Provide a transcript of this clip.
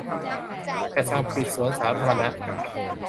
แต่สั่งปิดสวนสาธารณะ